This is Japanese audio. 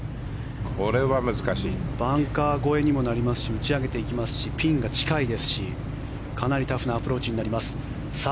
バンカー越えにもなりますし打ち上げていきますしピンが近いですしかなりタフなアプローチになります。